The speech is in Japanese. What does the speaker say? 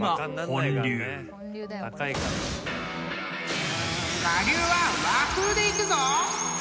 ［我流は和風でいくぞ！］